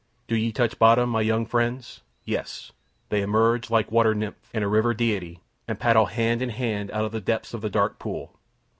Do ye touch bottom, my young friends? Yes; they emerge like a water nymph and a river deity, and paddle hand in hand out of the depths of the dark pool.